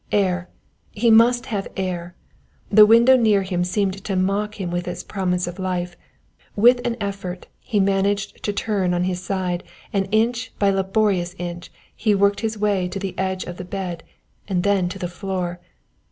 Air he must have air. The window near him seemed to mock him with its promise of life. With an effort he managed to turn on his side, and inch by laborious inch, he worked his way to the edge of the bed then on to the floor.